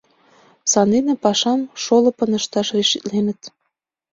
Сандене пашам шолыпын ышташ решитленыт.